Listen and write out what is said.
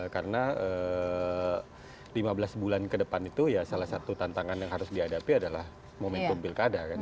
karena lima belas bulan ke depan itu salah satu tantangan yang harus dihadapi adalah momentum pilkada